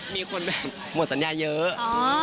มีคนแบบหมดสัญญาเยอะ